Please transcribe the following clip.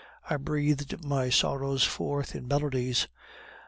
I breathed my sorrows forth in melodies.